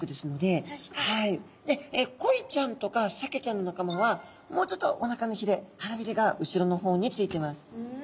でコイちゃんとかサケちゃんの仲間はもうちょっとおなかのひれ腹びれが後ろの方についてます。